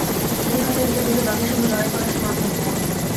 তিনি খাঁচার ভেতরে ঢুকে বাঘের সাথে লড়াই করার সময় আক্রান্ত হন।